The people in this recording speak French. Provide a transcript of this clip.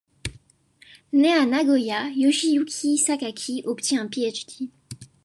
Né à Nagoya, Yoshiyuki Sakaki obtient un Ph.D.